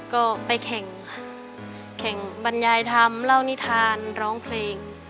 ก็ไปแข่งบรรยายธรรมเล่านิทานร้องเพลง